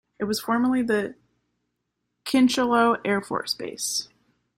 It was formerly the Kincheloe Air Force Base.